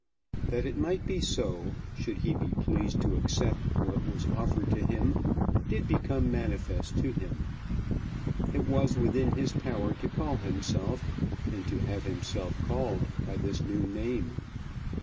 That it might be so, should he be pleased to accept what was offered to him, did become manifest to him. It was within his power to call himself and to have himself called by this new name.